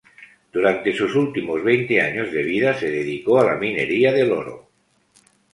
Durante sus últimos veinte años de vida se dedicó a la minería del oro.